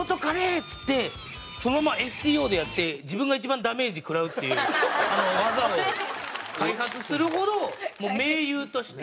っつってそのままＳＴＯでやって自分が一番ダメージ食らうっていう技を開発するほどもう盟友として。